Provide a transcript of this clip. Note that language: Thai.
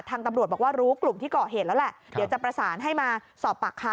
ตำรวจบอกว่ารู้กลุ่มที่เกาะเหตุแล้วแหละเดี๋ยวจะประสานให้มาสอบปากคำ